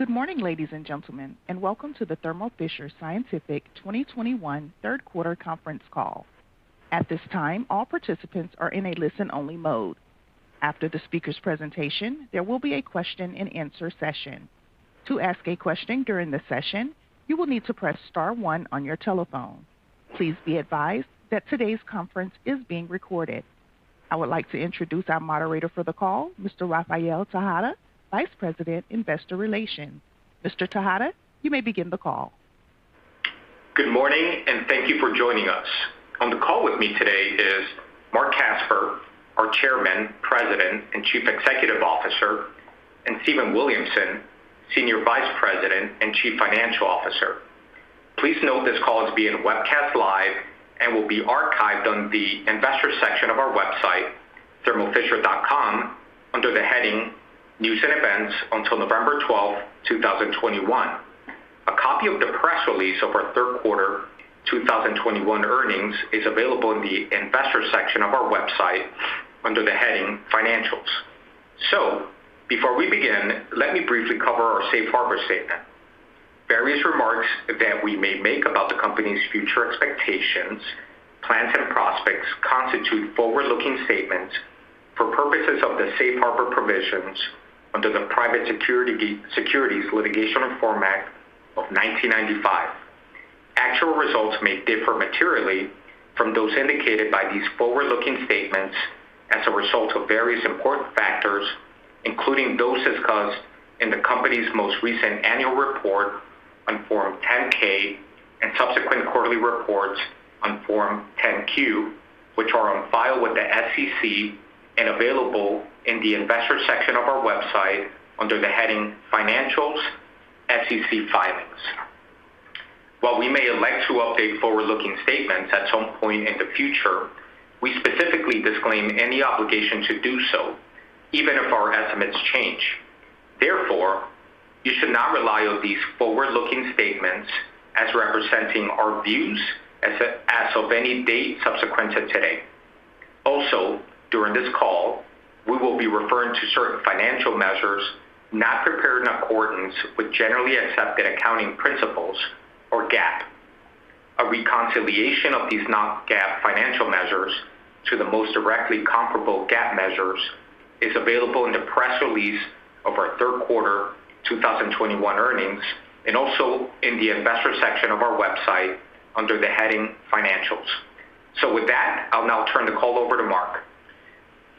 Good morning, ladies and gentlemen, and welcome to the Thermo Fisher Scientific 2021 third quarter conference call. At this time, all participants are in a listen-only mode. After the speaker's presentation, there will be a question-and-answer session. To ask a question during the session, you will need to press star one on your telephone. Please be advised that today's conference is being recorded. I would like to introduce our moderator for the call, Mr. Rafael Tejada, Vice President, Investor Relations. Mr. Tejada, you may begin the call. Good morning and thank you for joining us. On the call with me today is Marc Casper, our Chairman, President, and Chief Executive Officer, and Stephen Williamson, Senior Vice President and Chief Financial Officer. Please note this call is being webcast live and will be archived on the investor section of our website, thermofisher.com, under the heading News & Events until November 12, 2021. A copy of the press release of our third quarter 2021 earnings is available in the investor section of our website under the heading Financials. Before we begin, let me briefly cover our safe harbor statement. Various remarks that we may make about the company's future expectations, plans, and prospects constitute forward-looking statements for purposes of the safe harbor provisions under the Private Securities Litigation Reform Act of 1995. Actual results may differ materially from those indicated by these forward-looking statements as a result of various important factors, including those as discussed in the company's most recent annual report on Form 10-K and subsequent quarterly reports on Form 10-Q, which are on file with the SEC and available in the investor section of our website under the heading Financials, SEC Filings. While we may elect to update forward-looking statements at some point in the future, we specifically disclaim any obligation to do so even if our estimates change. Therefore, you should not rely on these forward-looking statements as representing our views as of any date subsequent to today. Also, during this call, we will be referring to certain financial measures not prepared in accordance with generally accepted accounting principles or GAAP. A reconciliation of these non-GAAP financial measures to the most directly comparable GAAP measures is available in the press release of our third quarter 2021 earnings, and also in the investor section of our website under the heading Financials. With that, I'll now turn the call over to Marc.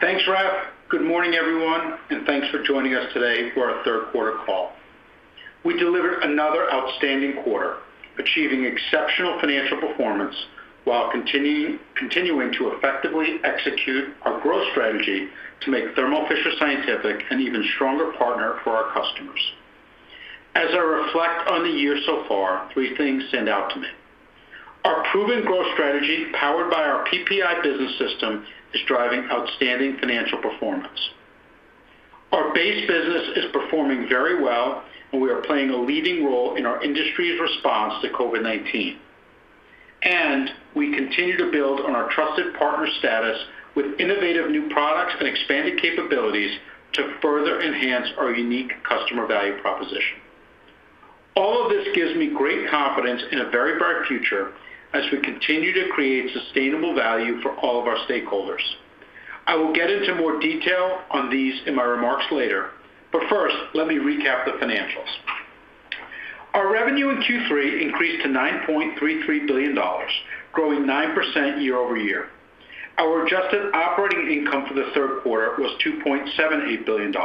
Thanks, Raf. Good morning, everyone, and thanks for joining us today for our third quarter call. We delivered another outstanding quarter, achieving exceptional financial performance while continuing to effectively execute our growth strategy to make Thermo Fisher Scientific an even stronger partner for our customers. As I reflect on the year so far, three things stand out to me. Our proven growth strategy, powered by our PPI Business System, is driving outstanding financial performance. Our base business is performing very well, and we are playing a leading role in our industry's response to COVID-19. We continue to build on our trusted partner status with innovative new products and expanded capabilities to further enhance our unique customer value proposition. All of this gives me great confidence in a very bright future as we continue to create sustainable value for all of our stakeholders. I will get into more detail on these in my remarks later, but first, let me recap the financials. Our revenue in Q3 increased to $9.33 billion, growing 9% year-over-year. Our adjusted operating income for the third quarter was $2.78 billion,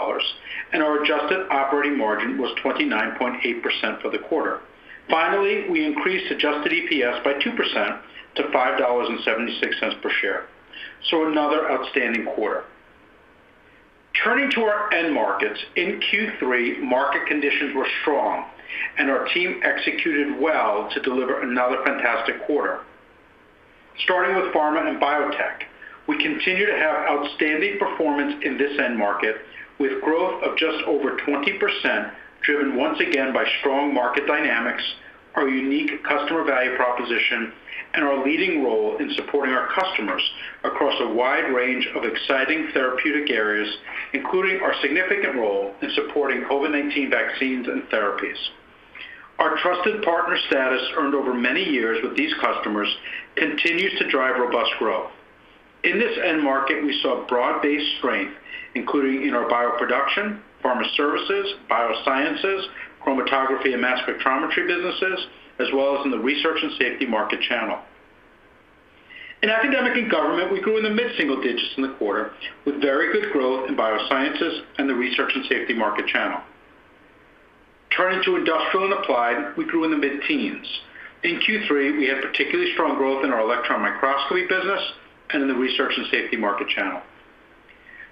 and our adjusted operating margin was 29.8% for the quarter. Finally, we increased adjusted EPS by 2% to $5.76 per share. Another outstanding quarter. Turning to our end markets. In Q3, market conditions were strong and our team executed well to deliver another fantastic quarter. Starting with pharma and biotech, we continue to have outstanding performance in this end market with growth of just over 20%, driven once again by strong market dynamics, our unique customer value proposition, and our leading role in supporting our customers across a wide range of exciting therapeutic areas, including our significant role in supporting COVID-19 vaccines and therapies. Our trusted partner status earned over many years with these customers continues to drive robust growth. In this end market, we saw broad-based strength, including in our bioproduction, pharma services, biosciences, chromatography and mass spectrometry businesses, as well as in the research and safety market channel. In academic and government, we grew in the mid-single digits in the quarter with very good growth in biosciences and the research and safety market channel. Turning to industrial and applied, we grew in the mid-teens. In Q3, we had particularly strong growth in our electron microscopy business and in the research and safety market channel.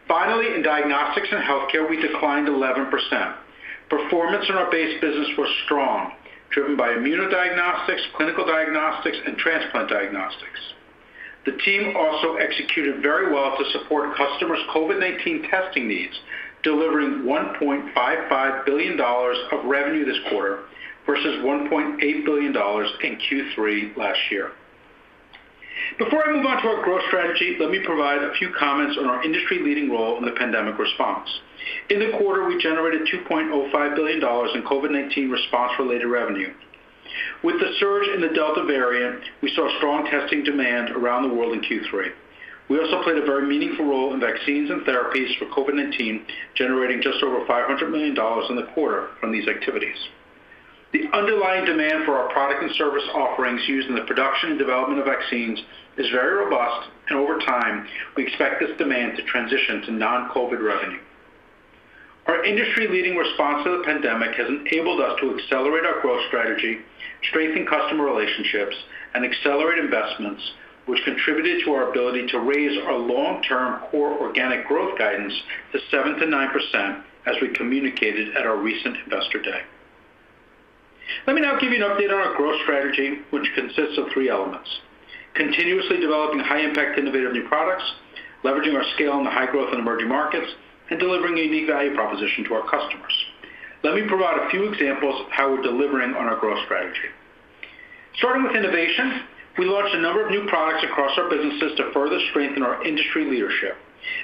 Finally, in diagnostics and healthcare, we declined 11%. Performance in our base business was strong, driven by immunodiagnostics, clinical diagnostics, and transplant diagnostics. The team also executed very well to support customers' COVID-19 testing needs, delivering $1.55 billion of revenue this quarter versus $1.8 billion in Q3 last year. Before I move on to our growth strategy, let me provide a few comments on our industry-leading role in the pandemic response. In the quarter, we generated $2.05 billion in COVID-19 response related revenue. With the surge in the Delta variant, we saw strong testing demand around the world in Q3. We also played a very meaningful role in vaccines and therapies for COVID-19, generating just over $500 million in the quarter from these activities. The underlying demand for our product and service offerings used in the production and development of vaccines is very robust, and over time, we expect this demand to transition to non-COVID revenue. Our industry-leading response to the pandemic has enabled us to accelerate our growth strategy, strengthen customer relationships, and accelerate investments, which contributed to our ability to raise our long-term core organic growth guidance to 7%-9% as we communicated at our recent Investor Day. Let me now give you an update on our growth strategy, which consists of three elements, continuously developing high-impact, innovative new products, leveraging our scale in the high growth and emerging markets, and delivering unique value proposition to our customers. Let me provide a few examples of how we're delivering on our growth strategy. Starting with innovation, we launched a number of new products across our businesses to further strengthen our industry leadership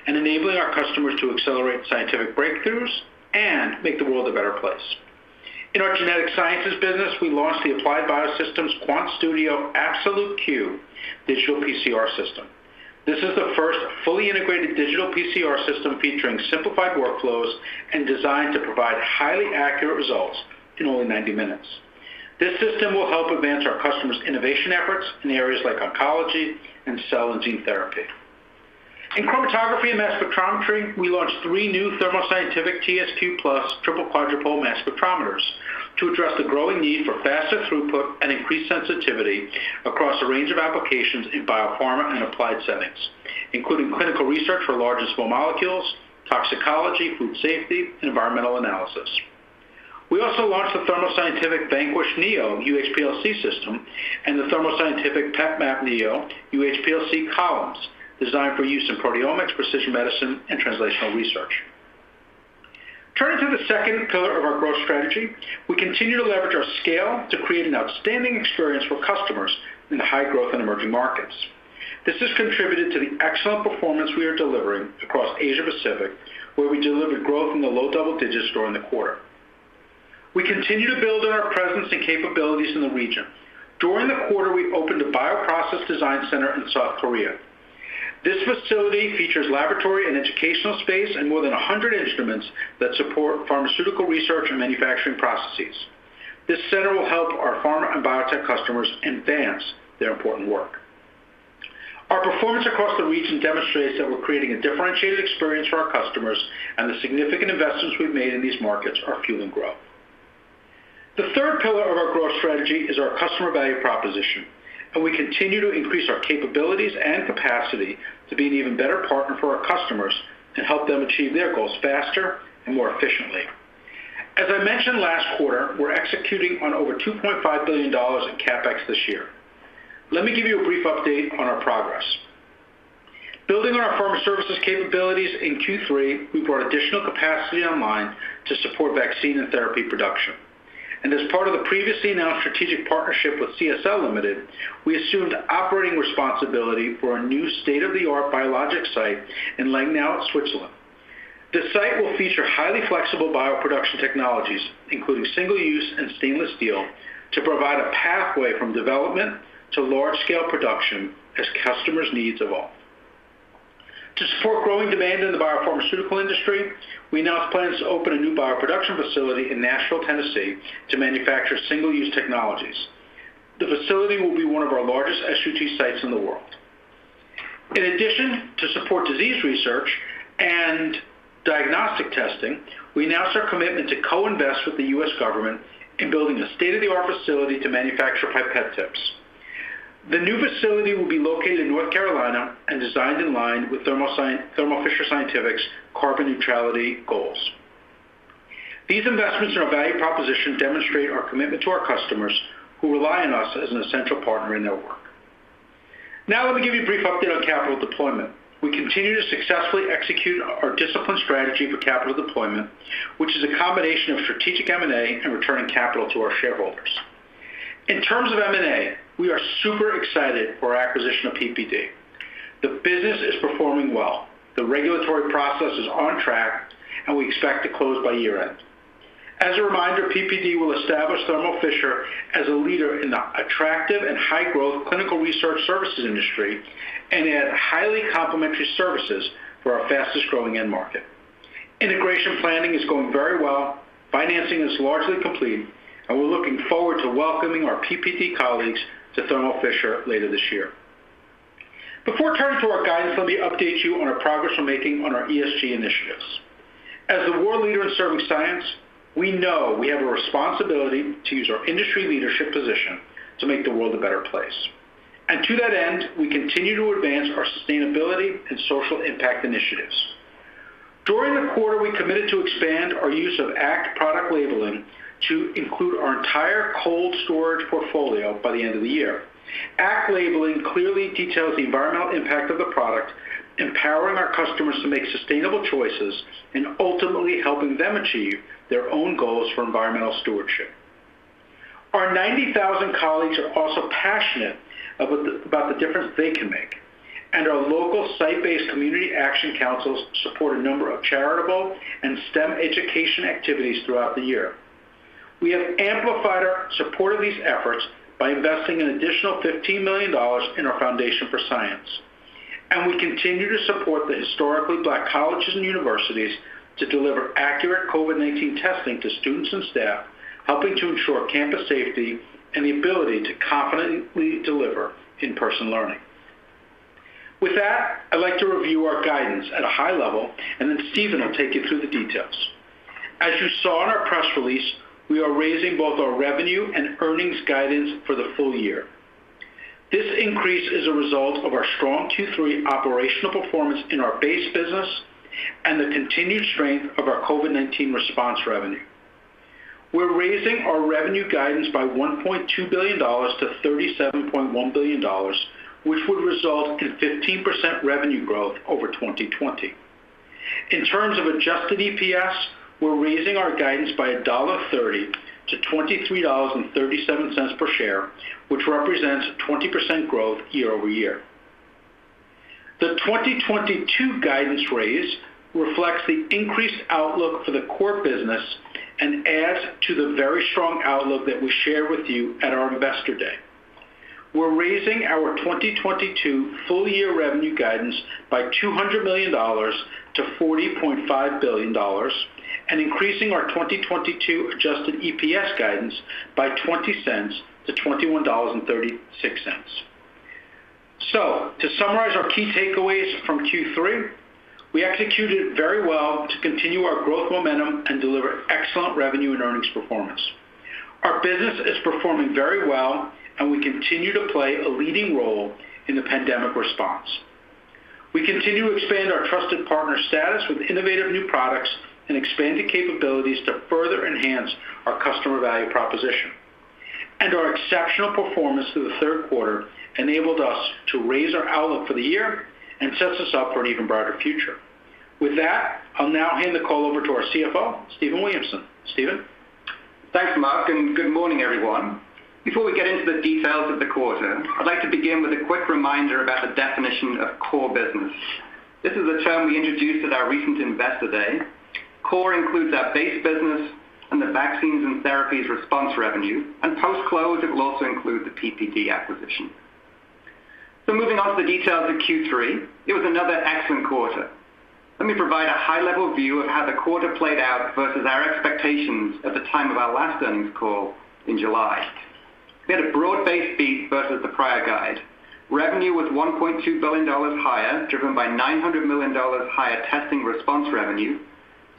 and enabling our customers to accelerate scientific breakthroughs and make the world a better place. In our genetic sciences business, we launched the Applied Biosystems QuantStudio Absolute Q digital PCR system. This is the first fully integrated digital PCR system featuring simplified workflows and designed to provide highly accurate results in only 90 minutes. This system will help advance our customers' innovation efforts in areas like oncology and cell and gene therapy. In chromatography and mass spectrometry, we launched three new Thermo Scientific TSQ+ triple quadrupole mass spectrometers to address the growing need for faster throughput and increased sensitivity across a range of applications in biopharma and applied settings, including clinical research for large and small molecules, toxicology, food safety, and environmental analysis. We also launched the Thermo Scientific Vanquish Neo UHPLC system and the Thermo Scientific PepMap Neo UHPLC columns designed for use in proteomics, precision medicine, and translational research. Turning to the second pillar of our growth strategy, we continue to leverage our scale to create an outstanding experience for customers in the high growth and emerging markets. This has contributed to the excellent performance we are delivering across Asia-Pacific, where we delivered growth in the low double digits during the quarter. We continue to build on our presence and capabilities in the region. During the quarter, we opened a bioprocess design center in South Korea. This facility features laboratory and educational space and more than 100 instruments that support pharmaceutical research and manufacturing processes. This center will help our pharma and biotech customers advance their important work. Our performance across the region demonstrates that we're creating a differentiated experience for our customers, and the significant investments we've made in these markets are fueling growth. The third pillar of our growth strategy is our customer value proposition, and we continue to increase our capabilities and capacity to be an even better partner for our customers and help them achieve their goals faster and more efficiently. As I mentioned last quarter, we're executing on over $2.5 billion in CapEx this year. Let me give you a brief update on our progress. Building on our pharma services capabilities in Q3, we brought additional capacity online to support vaccine and therapy production. As part of the previously announced strategic partnership with CSL Limited, we assumed operating responsibility for our new state-of-the-art biologics site in Lengnau, Switzerland. This site will feature highly flexible bioproduction technologies, including single-use and stainless steel, to provide a pathway from development to large-scale production as customers' needs evolve. To support growing demand in the biopharmaceutical industry, we announced plans to open a new bioproduction facility in Nashville, Tennessee, to manufacture single-use technologies. The facility will be one of our largest SUT sites in the world. In addition, to support disease research and diagnostic testing, we announced our commitment to co-invest with the U.S. government in building a state-of-the-art facility to manufacture pipette tips. The new facility will be located in North Carolina and designed in line with Thermo Fisher Scientific's carbon neutrality goals. These investments in our value proposition demonstrate our commitment to our customers who rely on us as an essential partner in their work. Now let me give you a brief update on capital deployment. We continue to successfully execute our disciplined strategy for capital deployment, which is a combination of strategic M&A and returning capital to our shareholders. In terms of M&A, we are super excited for our acquisition of PPD. The business is performing well. The regulatory process is on track, and we expect to close by year-end. As a reminder, PPD will establish Thermo Fisher as a leader in the attractive and high-growth clinical research services industry and add highly complementary services for our fastest-growing end market. Integration planning is going very well, financing is largely complete, and we're looking forward to welcoming our PPD colleagues to Thermo Fisher later this year. Before turning to our guidance, let me update you on our progress we're making on our ESG initiatives. As the world leader in serving science, we know we have a responsibility to use our industry leadership position to make the world a better place. To that end, we continue to advance our sustainability and social impact initiatives. During the quarter, we committed to expand our use of ACT product labeling to include our entire cold storage portfolio by the end of the year. ACT labeling clearly details the environmental impact of the product, empowering our customers to make sustainable choices and ultimately helping them achieve their own goals for environmental stewardship. Our 90,000 colleagues are also passionate about the difference they can make. Our local site-based community action councils support a number of charitable and STEM education activities throughout the year. We have amplified our support of these efforts by investing an additional $15 million in our foundation for science. We continue to support the historically Black colleges and universities to deliver accurate COVID-19 testing to students and staff, helping to ensure campus safety and the ability to confidently deliver in-person learning. With that, I'd like to review our guidance at a high level, and then Stephen will take you through the details. As you saw in our press release, we are raising both our revenue and earnings guidance for the full year. This increase is a result of our strong Q3 operational performance in our base business and the continued strength of our COVID-19 response revenue. We're raising our revenue guidance by $1.2 billion to $37.1 billion, which would result in 15% revenue growth over 2020. In terms of adjusted EPS, we're raising our guidance by $1.30 to $23.37 per share, which represents 20% growth year over year. The 2022 guidance raise reflects the increased outlook for the core business and adds to the very strong outlook that we shared with you at our Investor Day. We're raising our 2022 full year revenue guidance by $200 million to $40.5 billion and increasing our 2022 adjusted EPS guidance by $0.20 to $21.36. To summarize our key takeaways from Q3, we executed very well to continue our growth momentum and deliver excellent revenue and earnings performance. Our business is performing very well, and we continue to play a leading role in the pandemic response. We continue to expand our trusted partner status with innovative new products and expanded capabilities to further enhance our customer value proposition. Our exceptional performance through the third quarter enabled us to raise our outlook for the year and sets us up for an even brighter future. With that, I'll now hand the call over to our CFO, Stephen Williamson. Stephen. Thanks, Marc, and good morning, everyone. Before we get into the details of the quarter, I'd like to begin with a quick reminder about the definition of core business. This is a term we introduced at our recent Investor Day. Core includes our base business and the vaccines and therapies response revenue, and post-close, it will also include the PPD acquisition. Moving on to the details of Q3, it was another excellent quarter. Let me provide a high-level view of how the quarter played out versus our expectations at the time of our last earnings call in July. We had a broad-based beat versus the prior guide. Revenue was $1.2 billion higher, driven by $900 million higher testing response revenue,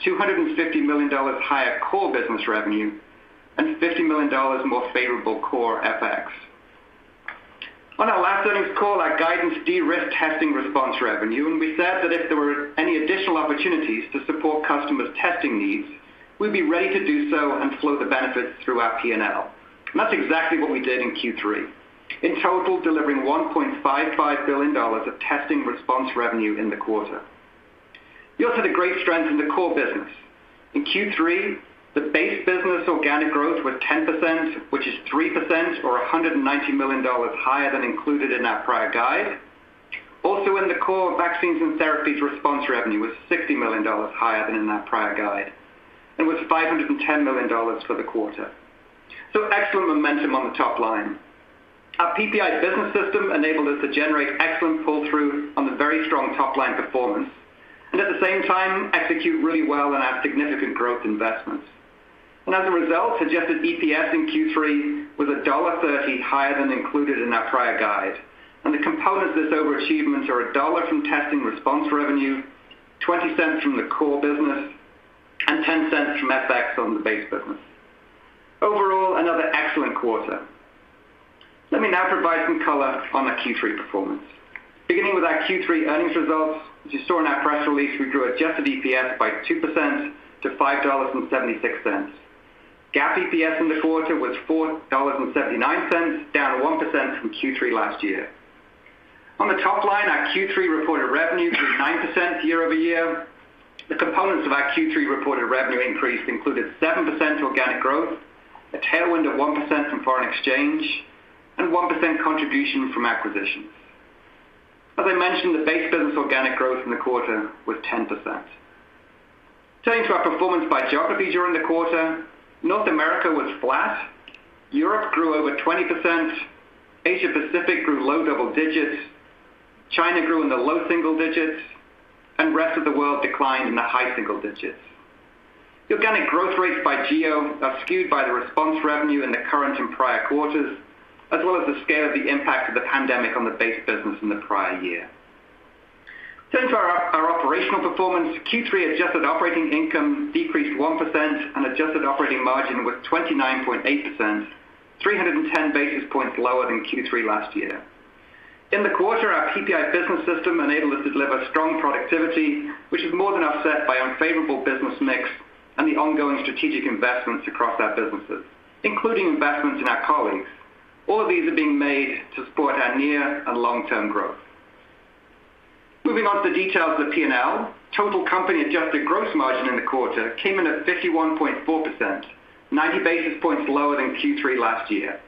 $250 million higher core business revenue, and $50 million more favorable core FX. On our last earnings call, our guidance de-risked testing response revenue, and we said that if there were any additional opportunities to support customers' testing needs, we'd be ready to do so and flow the benefits through our P&L. That's exactly what we did in Q3. In total, delivering $1.55 billion of testing response revenue in the quarter. You also had a great strength in the core business. In Q3, the base business organic growth was 10%, which is 3% or $190 million higher than included in our prior guide. Also in the core, vaccines and therapies response revenue was $60 million higher than in our prior guide, and was $510 million for the quarter. Excellent momentum on the top line. Our PPI business system enabled us to generate excellent pull-through on the very strong top-line performance, and at the same time, execute really well in our significant growth investments. As a result, adjusted EPS in Q3 was $1.30 higher than included in our prior guide. The components of this overachievement are $1 from testing response revenue, $0.20 from the core business, and $0.10 from FX on the base business. Overall, another excellent quarter. Let me now provide some color on our Q3 performance. Beginning with our Q3 earnings results, as you saw in our press release, we grew adjusted EPS by 2% to $5.76. GAAP EPS in the quarter was $4.79, down 1% from Q3 last year. On the top line, our Q3 reported revenue grew 9% year-over-year. The components of our Q3 reported revenue increase included 7% organic growth, a tailwind of 1% from foreign exchange, and 1% contribution from acquisitions. As I mentioned, the base business organic growth in the quarter was 10%. Turning to our performance by geography during the quarter, North America was flat. Europe grew over 20%. Asia Pacific grew low double digits. China grew in the low single digits. Rest of the world declined in the high single digits. The organic growth rates by geo are skewed by the response revenue in the current and prior quarters, as well as the scale of the impact of the pandemic on the base business in the prior year. Turning to our operational performance, Q3 adjusted operating income decreased 1%, and adjusted operating margin was 29.8%, 310 basis points lower than Q3 last year. In the quarter, our PPI business system enabled us to deliver strong productivity, which is more than offset by unfavorable business mix and the ongoing strategic investments across our businesses, including investments in our colleagues. All of these are being made to support our near and long-term growth. Moving on to the details of P&L. Total company adjusted gross margin in the quarter came in at 51.4%, 90 basis points lower than Q3 last year.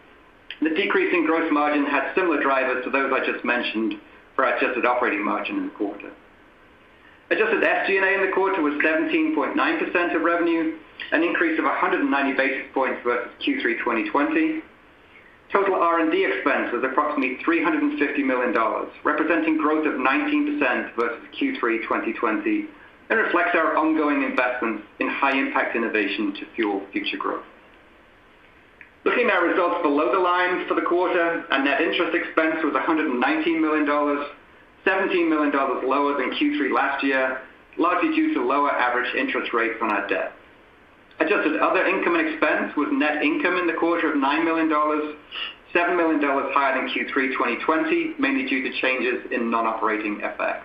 The decrease in gross margin had similar drivers to those I just mentioned for adjusted operating margin in the quarter. Adjusted SG&A in the quarter was 17.9% of revenue, an increase of 190 basis points versus Q3 2020. Total R&D expense was approximately $350 million, representing growth of 19% versus Q3 2020, and reflects our ongoing investments in high impact innovation to fuel future growth. Looking at results below the line for the quarter, our net interest expense was $119 million, $17 million lower than Q3 last year, largely due to lower average interest rates on our debt. Adjusted other income and expense was net income in the quarter of $9 million, $7 million higher than Q3 2020, mainly due to changes in non-operating FX.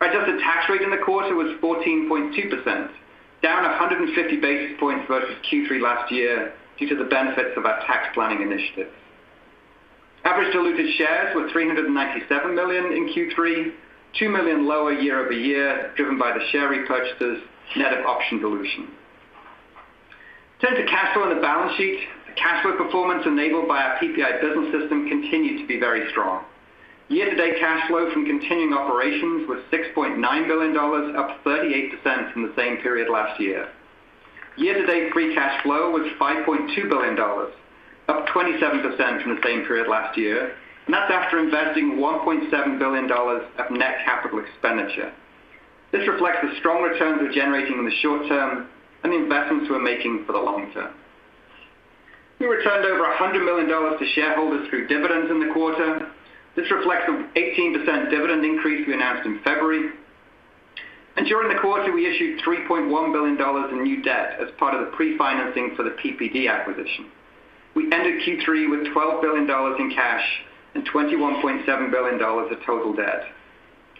Adjusted tax rate in the quarter was 14.2%, down 150 basis points versus Q3 last year due to the benefits of our tax planning initiatives. Average diluted shares were 397 million in Q3, 2 million lower year-over-year, driven by the share repurchases, net of option dilution. Turning to cash flow and the balance sheet. The cash flow performance enabled by our PPI business system continued to be very strong. Year-to-date cash flow from continuing operations was $6.9 billion, up 38% from the same period last year. Year-to-date free cash flow was $5.2 billion, up 27% from the same period last year, and that's after investing $1.7 billion of net capital expenditure. This reflects the strong returns we're generating in the short term and the investments we're making for the long term. We returned over $100 million to shareholders through dividends in the quarter. This reflects the 18% dividend increase we announced in February. During the quarter, we issued $3.1 billion in new debt as part of the pre-financing for the PPD acquisition. We ended Q3 with $12 billion in cash and $21.7 billion of total debt.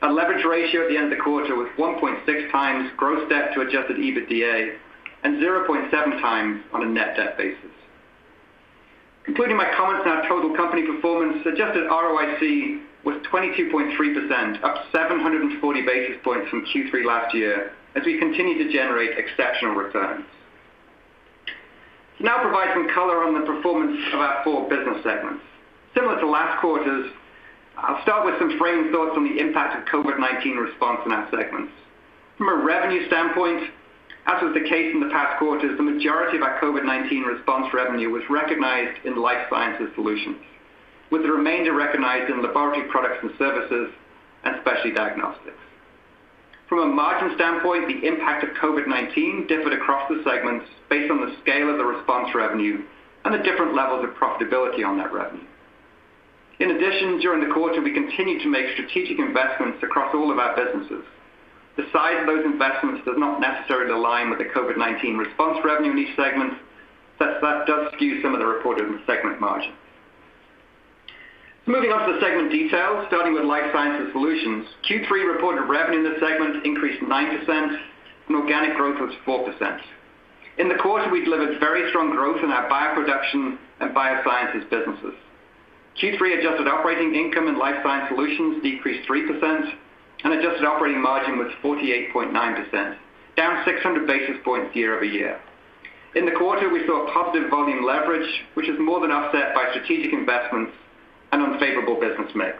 Our leverage ratio at the end of the quarter was 1.6 times gross debt to adjusted EBITDA and 0.7 times on a net debt basis. Concluding my comments on our total company performance, adjusted ROIC was 22.3%, up 740 basis points from Q3 last year as we continue to generate exceptional returns. I'll now provide some color on the performance of our four business segments. Similar to last quarter, I'll start with some framing thoughts on the impact of COVID-19 response in our segments. From a revenue standpoint, as was the case in the past quarters, the majority of our COVID-19 response revenue was recognized in Life Sciences Solutions, with the remainder recognized in Laboratory Products and Services and Specialty Diagnostics. From a margin standpoint, the impact of COVID-19 differed across the segments based on the scale of the response revenue and the different levels of profitability on that revenue. In addition, during the quarter, we continued to make strategic investments across all of our businesses. The size of those investments does not necessarily align with the COVID-19 response revenue in each segment. Thus, that does skew some of the reported segment margins. Moving on to the segment details, starting with Life Sciences Solutions. Q3 reported revenue in the segment increased 9% and organic growth was 4%. In the quarter, we delivered very strong growth in our bioproduction and biosciences businesses. Q3 adjusted operating income in Life Sciences Solutions decreased 3% and adjusted operating margin was 48.9%, down 600 basis points year-over-year. In the quarter, we saw positive volume leverage, which is more than offset by strategic investments and unfavorable business mix.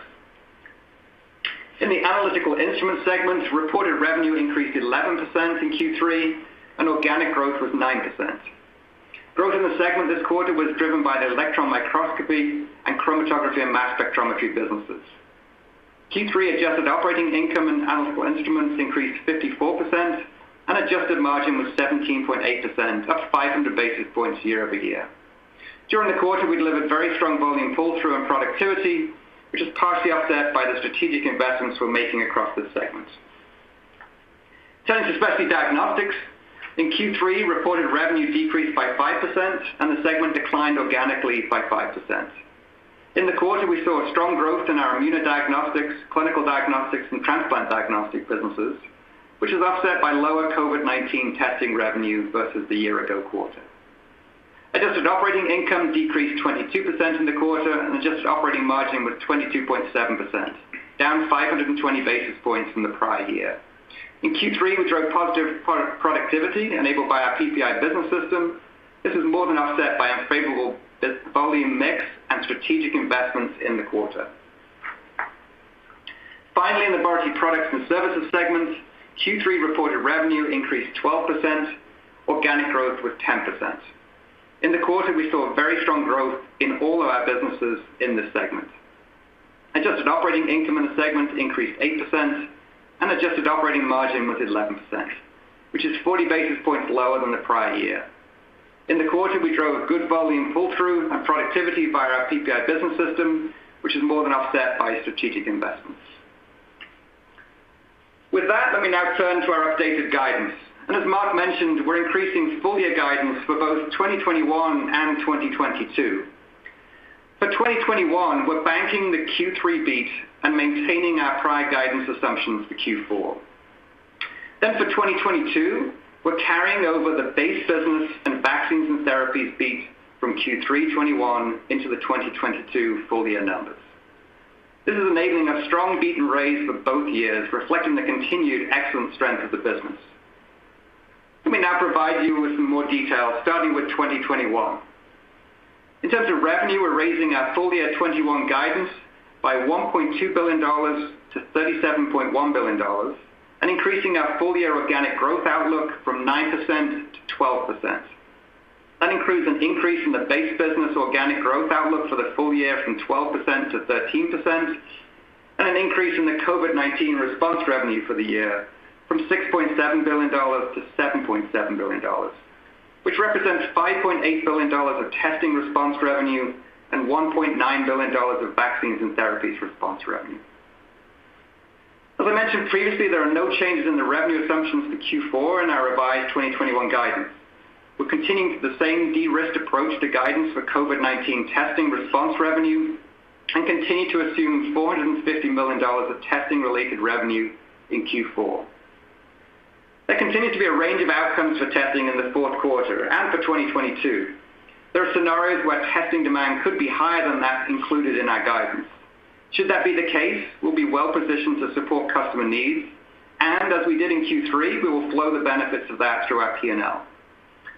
In the Analytical Instruments segment, reported revenue increased 11% in Q3 and organic growth was 9%. Growth in the segment this quarter was driven by the electron microscopy and chromatography and mass spectrometry businesses. Q3 adjusted operating income in Analytical Instruments increased 54% and adjusted margin was 17.8%, up 500 basis points year-over-year. During the quarter, we delivered very strong volume pull-through and productivity, which is partially offset by the strategic investments we're making across this segment. Turning to Specialty Diagnostics. In Q3, reported revenue decreased by 5% and the segment declined organically by 5%. In the quarter, we saw a strong growth in our immunodiagnostics, clinical diagnostics, and transplant diagnostic businesses, which was offset by lower COVID-19 testing revenue versus the year ago quarter. Adjusted operating income decreased 22% in the quarter and adjusted operating margin was 22.7%, down 520 basis points from the prior year. In Q3, we drove positive product productivity enabled by our PPI business system. This is more than offset by unfavorable business-volume mix and strategic investments in the quarter. Finally, in Laboratory Products and Services segment, Q3 reported revenue increased 12%. Organic growth was 10%. In the quarter, we saw very strong growth in all of our businesses in this segment. Adjusted operating income in the segment increased 8% and adjusted operating margin was 11%, which is 40 basis points lower than the prior year. In the quarter, we drove a good volume pull-through and productivity via our PPI business system, which is more than offset by strategic investments. With that, let me now turn to our updated guidance. As Marc mentioned, we're increasing full year guidance for both 2021 and 2022. For 2021, we're banking the Q3 beat and maintaining our prior guidance assumptions for Q4. Then for 2022, we're carrying over the base business and vaccines and therapies beat from Q3 2021 into the 2022 full year numbers. This is enabling a strong beat and raise for both years, reflecting the continued excellent strength of the business. Let me now provide you with some more details, starting with 2021. In terms of revenue, we're raising our full year 2021 guidance by $1.2 billion to $37.1 billion and increasing our full year organic growth outlook from 9% to 12%. That includes an increase in the base business organic growth outlook for the full year from 12% to 13%, and an increase in the COVID-19 response revenue for the year from $6.7 billion to $7.7 billion, which represents $5.8 billion of testing response revenue and $1.9 billion of vaccines and therapies response revenue. As I mentioned previously, there are no changes in the revenue assumptions for Q4 in our revised 2021 guidance. We're continuing the same de-risked approach to guidance for COVID-19 testing response revenue and continue to assume $450 million of testing-related revenue in Q4. There continues to be a range of outcomes for testing in the fourth quarter and for 2022. There are scenarios where testing demand could be higher than that included in our guidance. Should that be the case, we'll be well positioned to support customer needs, and as we did in Q3, we will flow the benefits of that through our P&L.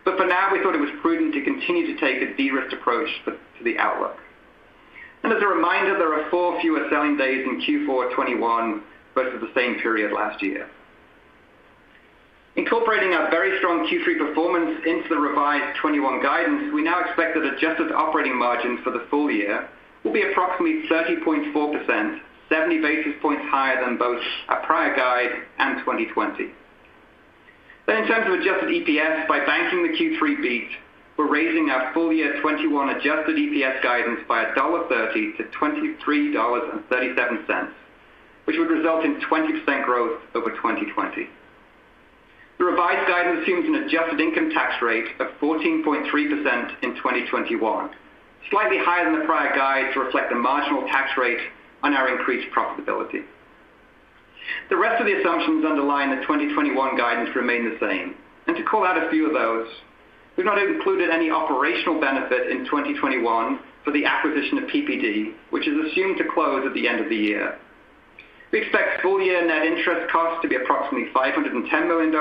For now, we thought it was prudent to continue to take a de-risked approach to the outlook. As a reminder, there are four fewer selling days in Q4 2021 versus the same period last year. Incorporating our very strong Q3 performance into the revised 2021 guidance, we now expect that adjusted operating margins for the full year will be approximately 30.4%, 70 basis points higher than both our prior guide and 2020. In terms of adjusted EPS by banking the Q3 beat, we're raising our full year 2021 adjusted EPS guidance by $1.30 to $23.37, which would result in 20% growth over 2020. The revised guidance assumes an adjusted income tax rate of 14.3% in 2021, slightly higher than the prior guide to reflect the marginal tax rate on our increased profitability. The rest of the assumptions underlying the 2021 guidance remain the same. To call out a few of those, we've not included any operational benefit in 2021 for the acquisition of PPD, which is assumed to close at the end of the year. We expect full year net interest costs to be approximately $510 million.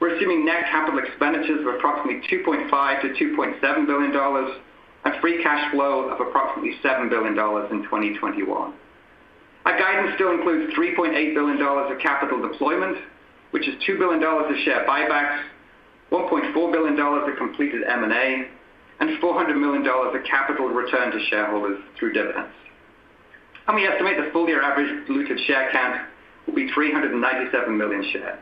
We're assuming net capital expenditures of approximately $2.5 billion-$2.7 billion, and free cash flow of approximately $7 billion in 2021. Our guidance still includes $3.8 billion of capital deployment, which is $2 billion of share buybacks, $1.4 billion of completed M&A, and $400 million of capital returned to shareholders through dividends. We estimate the full year average diluted share count will be 397 million shares.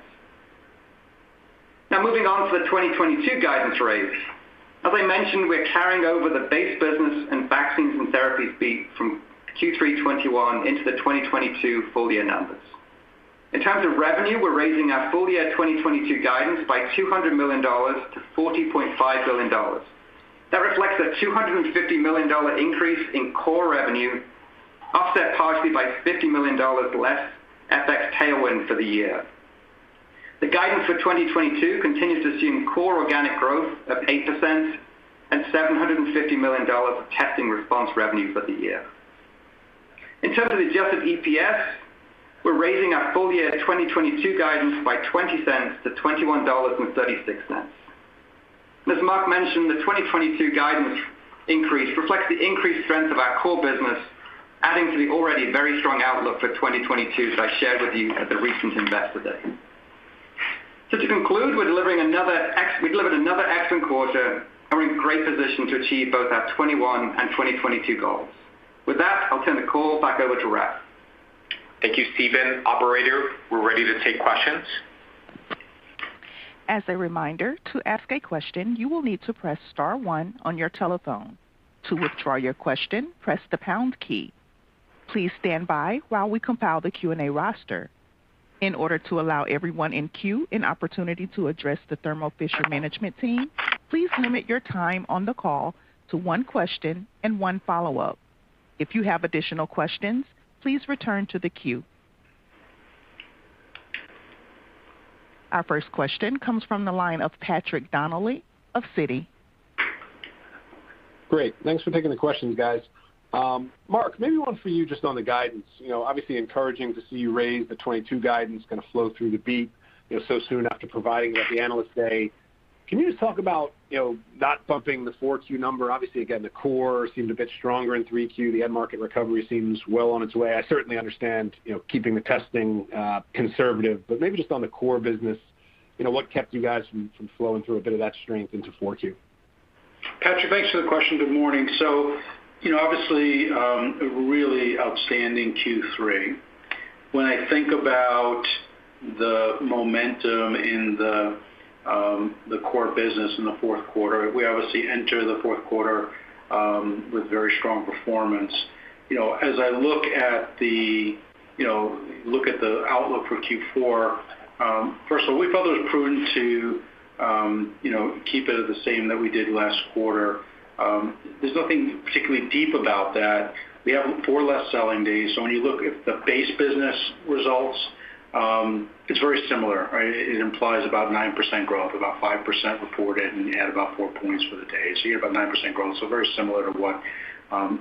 Now moving on to the 2022 guidance raise. As I mentioned, we're carrying over the base business and vaccines and therapies beat from Q3 2021 into the 2022 full-year numbers. In terms of revenue, we're raising our full-year 2022 guidance by $200 million to $40.5 billion. That reflects a $250 million increase in core revenue, offset partially by $50 million less FX tailwind for the year. The guidance for 2022 continues to assume core organic growth of 8% and $750 million of testing response revenue for the year. In terms of adjusted EPS, we're raising our full-year 2022 guidance by $0.20 to $21.36. As Marc mentioned, the 2022 guidance increase reflects the increased strength of our core business, adding to the already very strong outlook for 2022 that I shared with you at the recent Investor Day. To conclude, we delivered another excellent quarter, and we're in great position to achieve both our 2021 and 2022 goals. With that, I'll turn the call back over to Raf. Thank you, Stephen. Operator, we're ready to take questions. As a reminder, to ask a question, you will need to press star one on your telephone. To withdraw your question, press the pound key. Please stand by while we compile the Q&A roster. In order to allow everyone in queue an opportunity to address the Thermo Fisher management team, please limit your time on the call to one question and one follow-up. If you have additional questions, please return to the queue. Our first question comes from the line of Patrick Donnelly of Citi. Great. Thanks for taking the questions, guys. Marc, maybe one for you just on the guidance. You know, obviously encouraging to see you raise the 2022 guidance kind of flow through the beat, you know, so soon after providing it at the Analyst Day. Can you just talk about, you know, not bumping the 4Q number? Obviously, again, the core seemed a bit stronger in 3Q. The end market recovery seems well on its way. I certainly understand, you know, keeping the testing conservative, but maybe just on the core business, you know, what kept you guys from flowing through a bit of that strength into 4Q? Patrick, thanks for the question. Good morning. You know, obviously, a really outstanding Q3. When I think about the momentum in the core business in the fourth quarter, we obviously enter the fourth quarter with very strong performance. You know, as I look at the outlook for Q4, first of all, we felt it was prudent to, you know, keep it at the same that we did last quarter. There's nothing particularly deep about that. We have four less selling days, so when you look at the base business results. It's very similar, right? It implies about 9% growth, about 5% reported, and you add about four points for FX. You get about 9% growth. Very similar to what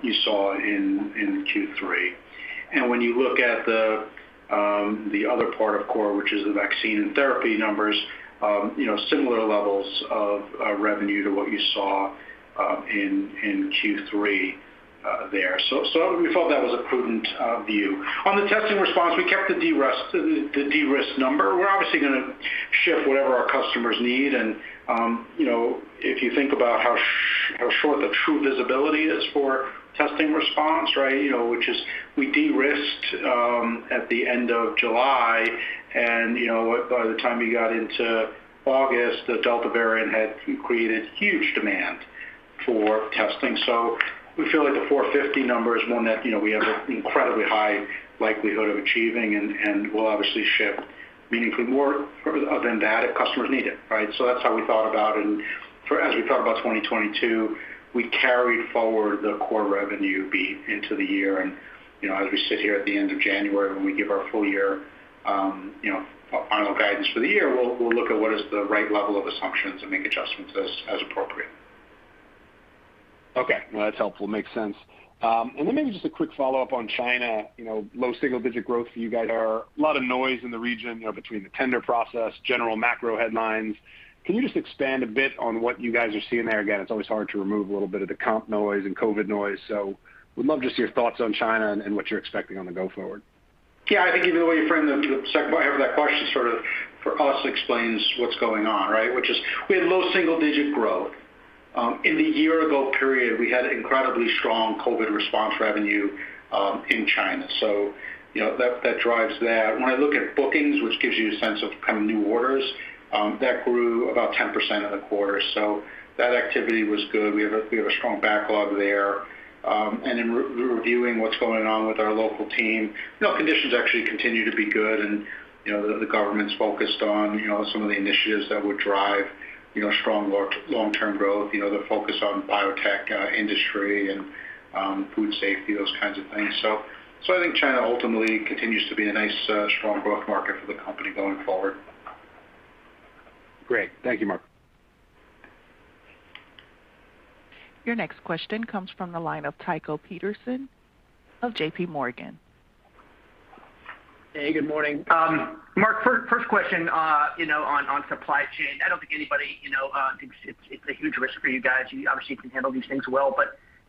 you saw in Q3. When you look at the other part of core, which is the vaccine and therapy numbers, you know, similar levels of revenue to what you saw in Q3 there. We thought that was a prudent view. On the testing response, we kept the de-risk number. We're obviously gonna ship whatever our customers need. You know, if you think about how short the true visibility is for testing response, right, you know, which is we de-risked at the end of July, and you know, by the time you got into August, the Delta variant had created huge demand for testing. We feel like the $450 number is one that, you know, we have an incredibly high likelihood of achieving, and we'll obviously ship meaningfully more other than that if customers need it, right? That's how we thought about it. As we thought about 2022, we carried forward the core revenue base into the year. You know, as we sit here at the end of January, when we give our full year, you know, final guidance for the year, we'll look at what is the right level of assumptions and make adjustments as appropriate. Okay. No, that's helpful. Makes sense. And then maybe just a quick follow-up on China. You know, low single digit growth for you guys are a lot of noise in the region, you know, between the tender process, general macro headlines. Can you just expand a bit on what you guys are seeing there? Again, it's always hard to remove a little bit of the comp noise and COVID noise. Would love just your thoughts on China and what you're expecting going forward. Yeah. I think either way, friend, the second, whoever that question sort of for us explains what's going on, right? Which is, we had low single-digit growth. In the year-ago period, we had incredibly strong COVID response revenue in China. You know, that drives that. When I look at bookings, which gives you a sense of kind of new orders, that grew about 10% in the quarter. That activity was good. We have a strong backlog there. In reviewing what's going on with our local team, you know, conditions actually continue to be good. You know, the government's focused on some of the initiatives that would drive strong long-term growth, you know, the focus on biotech industry and food safety, those kinds of things. I think China ultimately continues to be a nice, strong growth market for the company going forward. Great. Thank you, Marc. Your next question comes from the line of Tycho Peterson of JPMorgan. Hey, good morning. Marc, first question, you know, on supply chain. I don't think anybody, you know, thinks it's a huge risk for you guys. You obviously can handle these things well.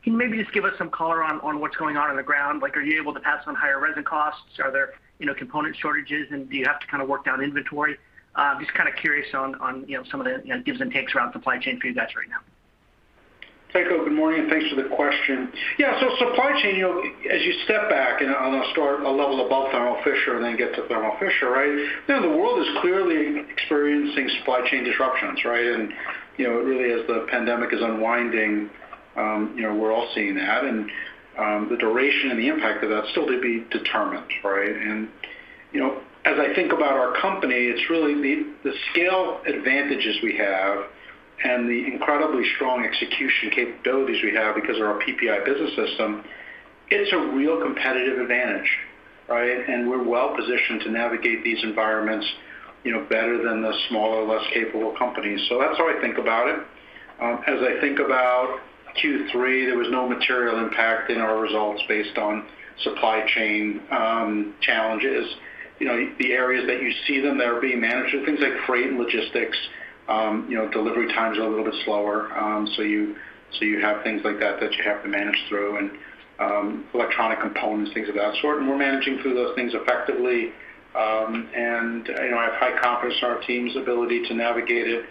Can you maybe just give us some color on what's going on on the ground? Like, are you able to pass on higher resin costs? Are there, you know, component shortages, and do you have to kind of work down inventory? Just kind of curious on, you know, some of the, you know, gives and takes around supply chain for you guys right now. Tycho, good morning, and thanks for the question. Yeah. Supply chain, you know, as you step back and on a sort of a level above Thermo Fisher and then get to Thermo Fisher, right? You know, the world is clearly experiencing supply chain disruptions, right? Really as the pandemic is unwinding, you know, we're all seeing that. The duration and the impact of that still to be determined, right? You know, as I think about our company, it's really the scale advantages we have and the incredibly strong execution capabilities we have because of our PPI business system, it's a real competitive advantage, right? We're well positioned to navigate these environments, you know, better than the smaller, less capable companies. That's how I think about it. As I think about Q3, there was no material impact in our results based on supply chain challenges. You know, the areas that you see them that are being managed are things like freight and logistics. You know, delivery times are a little bit slower. So you have things like that that you have to manage through and electronic components, things of that sort. We're managing through those things effectively. You know, I have high confidence in our team's ability to navigate it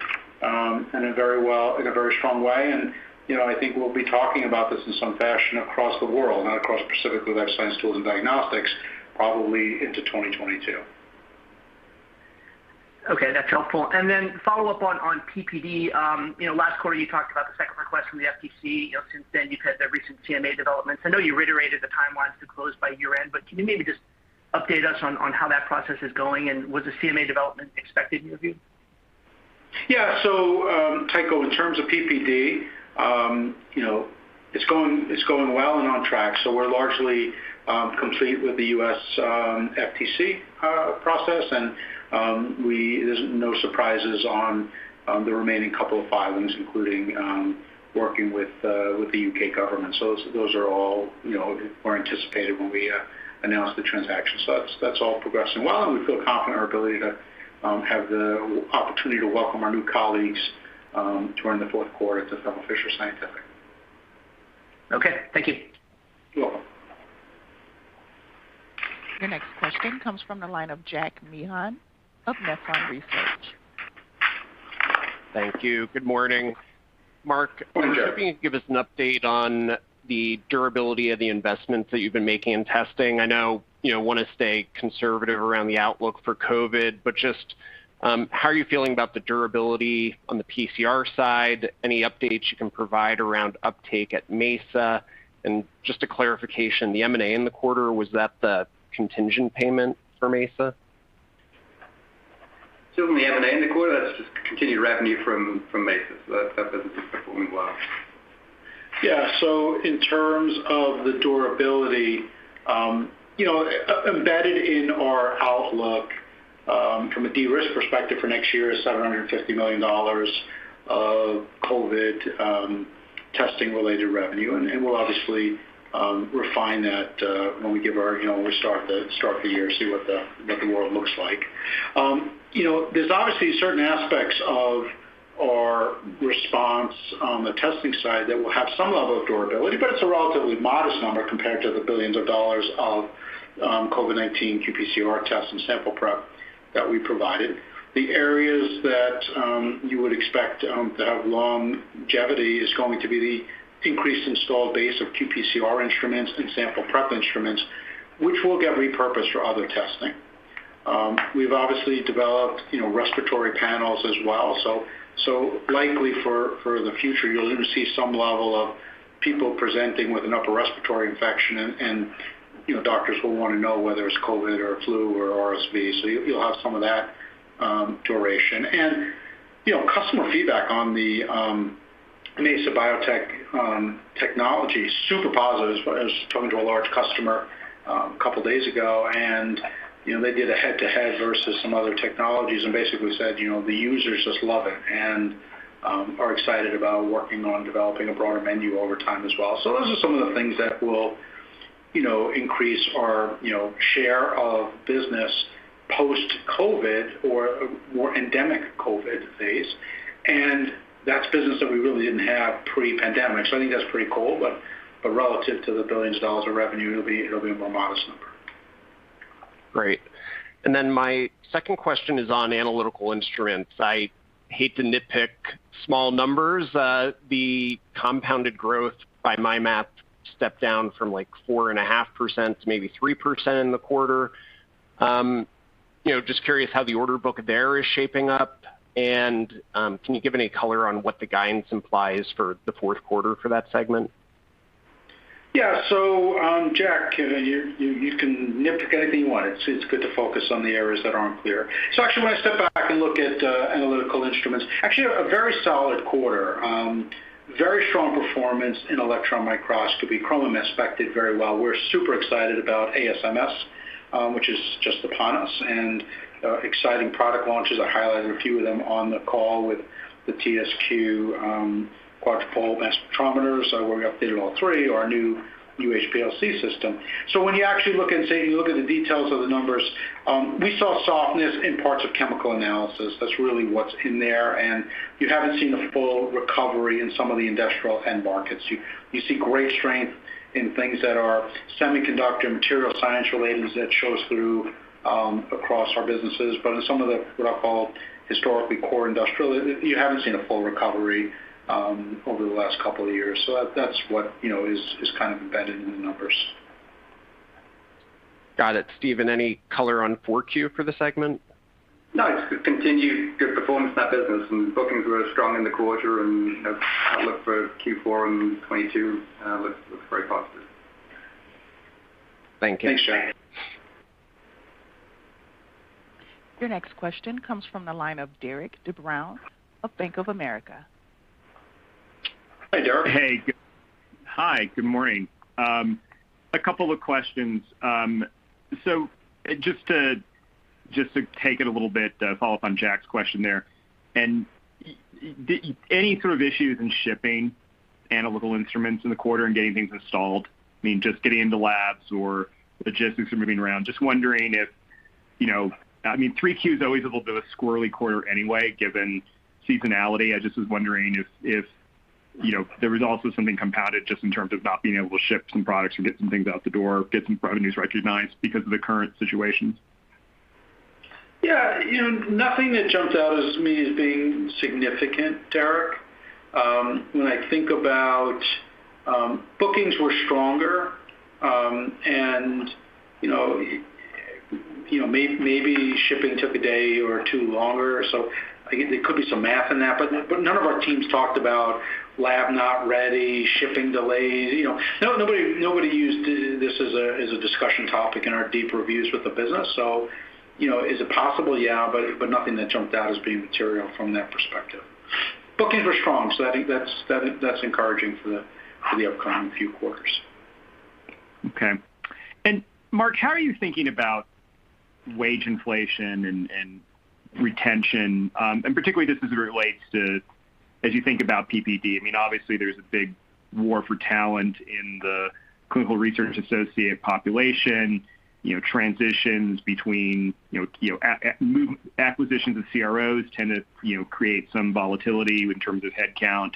in a very strong way. You know, I think we'll be talking about this in some fashion across the world, not across specifically Life Sciences Tools and Diagnostics, probably into 2022. Okay. That's helpful. Follow up on PPD. You know, last quarter you talked about the second request from the FTC. You know, since then you've had the recent CMA developments. I know you reiterated the timelines to close by year-end, but can you maybe just update us on how that process is going? Was the CMA development expected in your view? Yeah. Tycho, in terms of PPD, you know, it's going well and on track. We're largely complete with the U.S. FTC process. There's no surprises on the remaining couple of filings, including working with the U.K. government. Those are all, you know, were anticipated when we announced the transaction. That's all progressing well, and we feel confident in our ability to have the opportunity to welcome our new colleagues during the fourth quarter to Thermo Fisher Scientific. Okay. Thank you. You're welcome. Your next question comes from the line of Jack Meehan of Nephron Research. Thank you. Good morning. Marc. Good morning, Jack. I was hoping you could give us an update on the durability of the investments that you've been making in testing. I know you wanna stay conservative around the outlook for COVID, but just, how are you feeling about the durability on the PCR side? Any updates you can provide around uptake at Mesa? Just a clarification, the M&A in the quarter, was that the contingent payment for Mesa? From the M&A in the quarter, that's just continued revenue from Mesa. That business is performing well. Yeah. In terms of the durability, you know, embedded in our outlook, from a de-risk perspective for next year is $750 million of COVID testing related revenue. We'll obviously refine that when we give our, you know, when we start the year, see what the world looks like. You know, there's obviously certain aspects of our response on the testing side that will have some level of durability, but it's a relatively modest number compared to the billions of dollars of COVID-19 qPCR tests and sample prep that we provided. The areas that you would expect to have longevity is going to be the increased installed base of qPCR instruments and sample prep instruments, which will get repurposed for other testing. We've obviously developed, you know, respiratory panels as well. Likely for the future, you'll either see some level of people presenting with an upper respiratory infection and, you know, doctors will wanna know whether it's COVID or flu or RSV. You'll have some of that duration. Customer feedback on the Mesa Biotech technology super positive. I was talking to a large customer a couple of days ago, and, you know, they did a head-to-head versus some other technologies and basically said, you know, the users just love it and are excited about working on developing a broader menu over time as well. Those are some of the things that will, you know, increase our share of business post-COVID or more endemic COVID phase. That's business that we really didn't have pre-pandemic. I think that's pretty cool. Relative to the billions of dollars of revenue, it'll be a more modest number. Great. Then my second question is on Analytical Instruments. I hate to nitpick small numbers. The compounded growth by my math stepped down from, like, 4.5% to maybe 3% in the quarter. You know, just curious how the order book there is shaping up. Can you give any color on what the guidance implies for the fourth quarter for that segment? Yeah. Jack, you can nitpick anything you want. It's good to focus on the areas that aren't clear. Actually, when I step back and look at Analytical Instruments, actually a very solid quarter. Very strong performance in electron microscopy. Chromatography-Mass Spectrometry backed it very well. We're super excited about ASMS, which is just upon us, and exciting product launches. I highlighted a few of them on the call with the TSQ quadrupole mass spectrometers, where we updated all three, our new UHPLC system. When you actually look and say you look at the details of the numbers, we saw softness in parts of chemical analysis. That's really what's in there. You haven't seen the full recovery in some of the industrial end markets. You see great strength in things that are semiconductor and materials science related that shows through across our businesses. But in some of the, what I call historically core industrial, you haven't seen a full recovery over the last couple of years. That that's what you know is kind of embedded in the numbers. Got it. Stephen, any color on 4Q for the segment? No, it's continued good performance in that business, and bookings were strong in the quarter, and outlook for Q4 on 2022 looks very positive. Thank you. Thanks, Jack. Your next question comes from the line of Derik de Bruin of Bank of America. Hi, Derik. Hey. Hi, good morning. A couple of questions. So just to take it a little bit to follow up on Jack's question there. Any sort of issues in shipping Analytical Instruments in the quarter and getting things installed? I mean, just getting into labs or logistics are moving around. Just wondering if you know, I mean, 3Q is always a little bit of a squirrely quarter anyway, given seasonality. I just was wondering if you know, there was also something compounded just in terms of not being able to ship some products or get some things out the door, get some revenues recognized because of the current situations. Yeah. You know, nothing that jumps out at me as being significant, Derik. When I think about, bookings were stronger, and you know, maybe shipping took a day or two longer. There could be some math in that, but none of our teams talked about lab not ready, shipping delays. You know, nobody used this as a discussion topic in our deep reviews with the business. You know, is it possible? Yeah. But nothing that jumped out as being material from that perspective. Bookings were strong, so I think that's encouraging for the upcoming few quarters. Okay. Marc, how are you thinking about wage inflation and retention, particularly this as it relates to PPD? I mean, obviously there's a big war for talent in the clinical research associate population. You know, transitions between acquisitions of CROs tend to create some volatility in terms of headcount.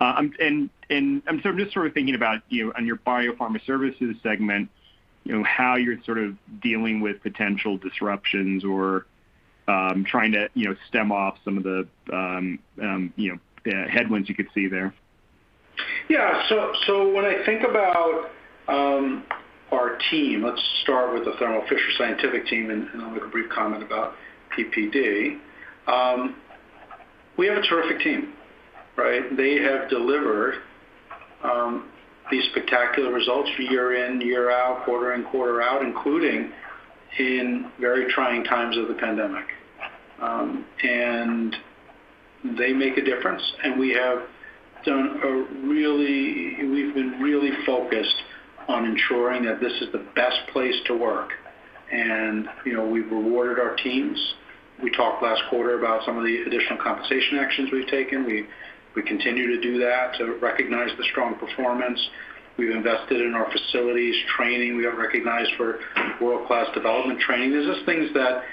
I'm just sort of thinking about, you know, on your biopharma services segment, you know, how you're sort of dealing with potential disruptions or trying to stem off some of the headwinds you could see there. When I think about our team, let's start with the Thermo Fisher Scientific team, and I'll make a brief comment about PPD. We have a terrific team, right? They have delivered these spectacular results year in, year out, quarter in, quarter out, including in very trying times of the pandemic. They make a difference. We've been really focused on ensuring that this is the best place to work. You know, we've rewarded our teams. We talked last quarter about some of the additional compensation actions we've taken. We continue to do that to recognize the strong performance. We've invested in our facilities, training. We got recognized for world-class development training. There's just things that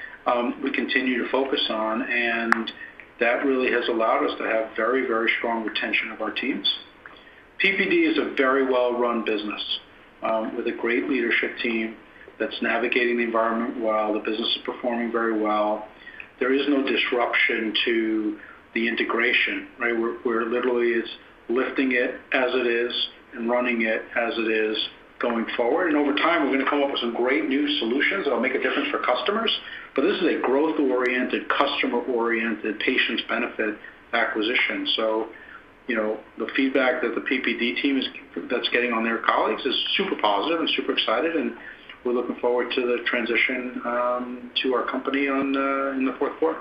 we continue to focus on, and that really has allowed us to have very, very strong retention of our teams. PPD is a very well-run business, with a great leadership team that's navigating the environment while the business is performing very well. There is no disruption to the integration, right? We're literally lifting it as it is and running it as it is going forward. Over time, we're going to come up with some great new solutions that'll make a difference for customers. This is a growth-oriented, customer-oriented, patient benefit acquisition. You know, the feedback that the PPD team is getting from their colleagues is super positive and super excited, and we're looking forward to the transition to our company in the fourth quarter.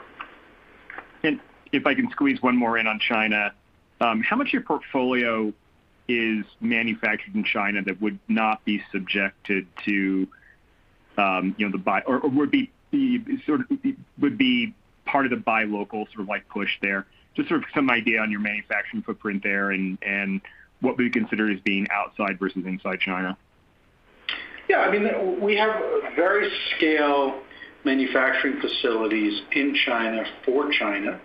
If I can squeeze one more in on China, how much of your portfolio is manufactured in China that would not be subjected to, you know, or would be sort of part of the buy local sort of like push there? Just sort of some idea on your manufacturing footprint there and what we consider as being outside versus inside China. Yeah. I mean, we have very scalable manufacturing facilities in China for China.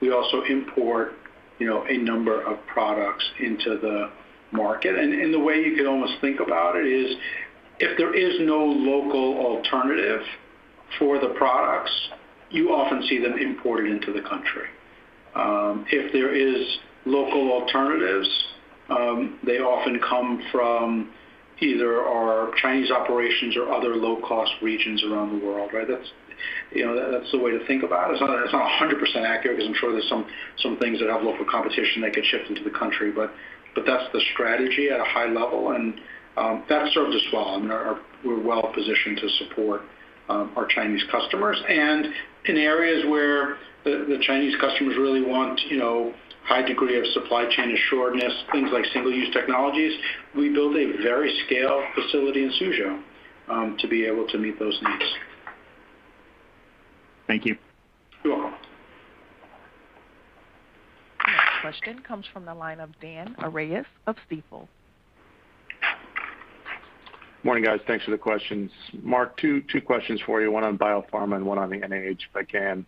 We also import, you know, a number of products into the market. The way you could almost think about it is if there is no local alternative for the products, you often see them imported into the country. If there is local alternatives, they often come from either our Chinese operations or other low-cost regions around the world, right? That's, you know, that's the way to think about it. It's not 100% accurate because I'm sure there's some things that have local competition that get shipped into the country, but that's the strategy at a high level, and that served us well. I mean, we're well-positioned to support our Chinese customers. In areas where the Chinese customers really want, you know, high degree of supply chain assuredness, things like single-use technologies, we build a very scalable facility in Suzhou to be able to meet those needs. Thank you. You're welcome. Next question comes from the line of Daniel Arias of Stifel. Morning, guys. Thanks for the questions. Marc, two questions for you, one on biopharma and one on the NIH, if I can.